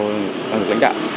về nâng cao về lãnh đạo